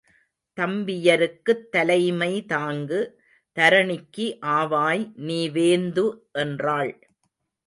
தம்பியருக்குத் தலைமை தாங்கு, தரணிக்கு ஆவாய் நீ வேந்து என்றாள்.